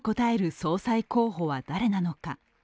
総裁候補は誰なのか。